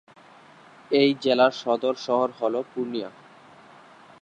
এই জেলার সদর শহর হল পূর্ণিয়া।